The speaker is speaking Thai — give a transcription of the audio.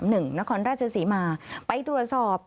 นครราชศรีมาไปตรวจสอบ